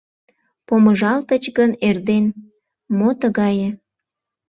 Помыжалтыч гын эрден Мо тыгае?